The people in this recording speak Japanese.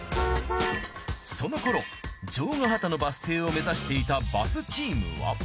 その頃尉ヶ畑のバス停を目指していたバスチームは。